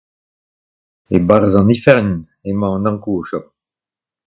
E-barzh an ifern emañ an Ankoù o chom.